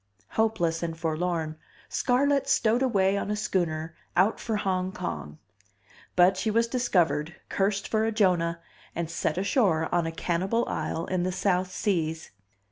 Hopeless and forlorn, Scarlett stowed away on a schooner out for Hong Kong. But she was discovered, cursed for a Jonah, and set ashore on a cannibal isle in the South Seas.